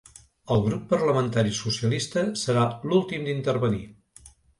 El grup parlamentari socialista serà l’últim d’intervenir.